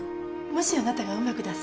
もしあなたがうまく脱走できて。